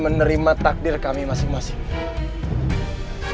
menerima takdir kami masing masing